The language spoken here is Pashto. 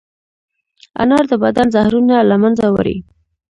انار د بدن زهرونه له منځه وړي.